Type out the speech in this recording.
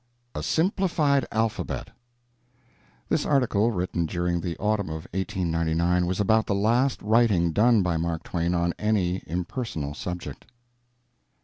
A SIMPLIFIED ALPHABET (This article, written during the autumn of 1899, was about the last writing done by Mark Twain on any impersonal subject.)